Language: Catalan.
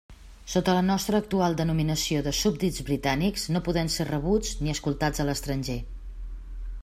Sota la nostra actual denominació de súbdits britànics no podem ser rebuts ni escoltats a l'estranger.